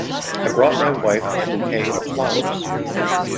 I bought my wife a Bouquet of flowers.